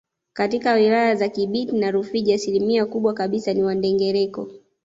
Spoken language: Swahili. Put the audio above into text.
Katika wilaya za Kibiti na Rufiji asilimia kubwa kabisa ni Wandengereko